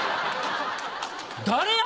誰や？